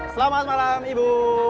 selamat malam ibu